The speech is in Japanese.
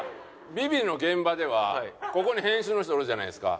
『ＶｉＶｉ』の現場ではここに編集の人おるじゃないですか。